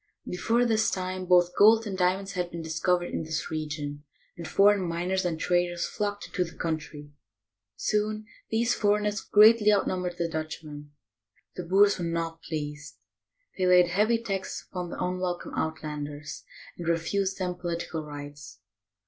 Before this time, both gold and diamonds had been dis covered in this region, and foreign miners and traders flocked into the country. Soon these foreigners greatly outnum bered the Dutchmen. The Boers were not pleased. They laid heavy taxes upon the unwelcome "Outlanders," and refused them political rights.